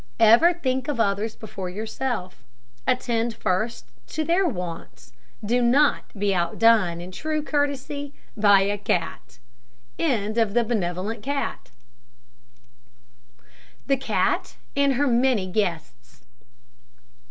Ever think of others before yourself. Attend first to their wants. Do not be outdone in true courtesy by a cat. THE CAT AND HER MANY GUESTS.